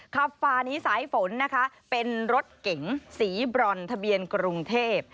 ฝ่านี้สายฝนนะคะเป็นรถเก๋งสีบรอนทะเบียนกรุงเทพ